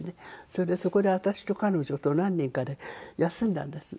それでそこで私と彼女と何人かで休んだんです。